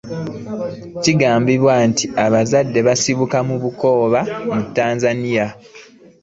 Kigambibwa nti bazadde be basibuka Bukoba muTanzania.